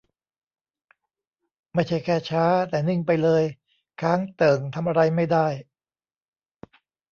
ไม่ใช่แค่ช้า แต่นิ่งไปเลย ค้างเติ่ง ทำอะไรไม่ได้